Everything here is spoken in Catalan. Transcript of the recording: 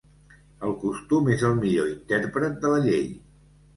El costum és el millor intèrpret de la llei.